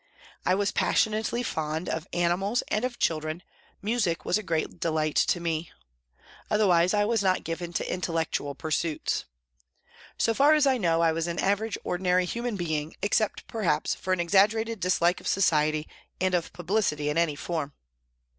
I was passionately fond of animals and of children, music was a great delight to me ; otherwise I was not given to intellectual pursuits. So far as I know, I was an average ordinary human being, except perhaps for an exaggerated dislike of society and of publicity in any form.